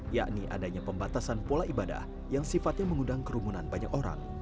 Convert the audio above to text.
yakni adanya pembatasan pola ibadah yang sifatnya mengundang kerumunan banyak orang